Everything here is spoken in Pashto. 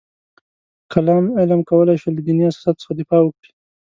کلام علم کولای شول له دیني اساساتو څخه دفاع وکړي.